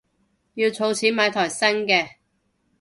要儲錢買台新嘅